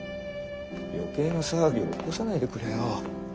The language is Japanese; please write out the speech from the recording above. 余計な騒ぎを起こさないでくれよ。